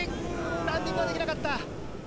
ランディングはできなかった。